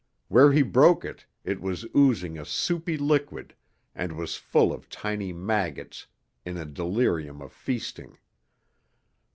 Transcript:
Where he broke it, it was oozing a soupy liquid and was full of tiny maggots in a delirium of feasting.